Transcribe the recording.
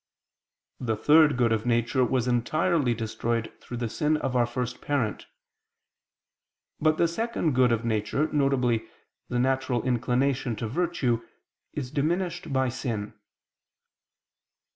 The third good of nature was entirely destroyed through the sin of our first parent. But the second good of nature, viz. the natural inclination to virtue, is diminished by sin.